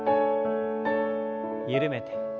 緩めて。